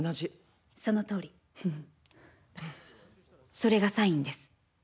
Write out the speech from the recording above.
それが、サインです。